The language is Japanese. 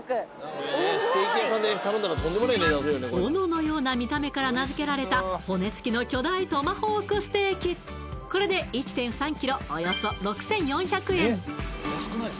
斧のような見た目から名付けられた骨付きの巨大これで１．３ｋｇおよそ６４００円